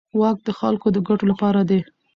واک د خلکو د ګټو لپاره دی.